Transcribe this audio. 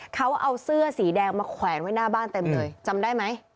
เขาเอาเสื้อสีแดงมาแขวนไว้หน้าบ้านเต็มเลยจำได้ไหม